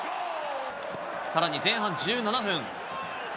さらに前半１７分。